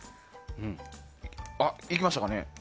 あ、いきましたかね。